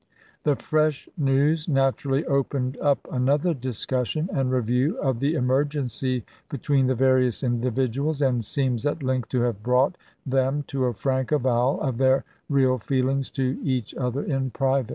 The fresh news naturally opened up another discussion and review of the emergency between the various in dividuals, and seems at length to have brought them to a frank avowal of their real feelings to each other in private.